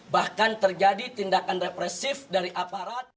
bahkan terjadi tindakan represif dari aparat